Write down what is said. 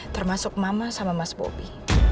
termasuk mama sama mas bobi